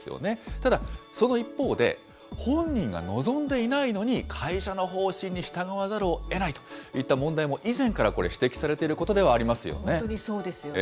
ただ、その一方で、本人が望んでいないのに、会社の方針に従わざるをえないという問題も以前からこれ、指摘さ本当にそうですよね。